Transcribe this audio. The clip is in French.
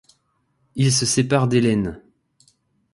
Il se sépare d'Elaine.